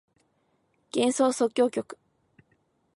幻想即興曲